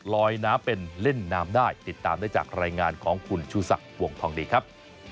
ลอยน้ำเป็นเล่นน้ำได้ติดตามได้จากรายงานของคุณชูศักดิ์วงทองดีครับ